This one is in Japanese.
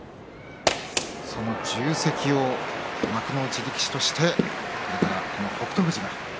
その重責を幕内力士として北勝富士が。